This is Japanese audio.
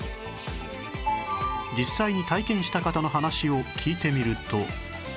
実際に体験した方の話を聞いてみると